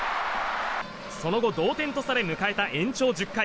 その後、同点とされ迎えた延長１０回。